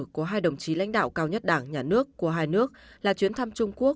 của hai đồng chí lãnh đạo cao nhất đảng nhà nước của hai nước là chuyến thăm trung quốc